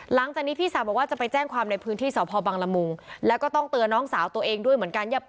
หลังจากนี้พี่สาวบอกว่าจะไปแจ้งความในพื้นที่สพบังละมุงแล้วก็ต้องเตือนน้องสาวตัวเองด้วยเหมือนกัน